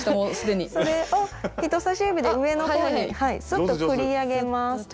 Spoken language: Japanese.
それを人さし指で上の方にすっと取り上げます。